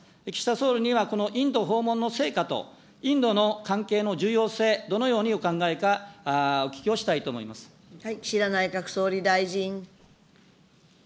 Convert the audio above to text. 総理にはこのインド訪問の成果と、インドの関係の重要性、どのようにお考えか、お聞きをした岸田内閣総理大臣。